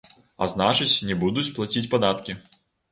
А значыць, не будуць плаціць падаткі.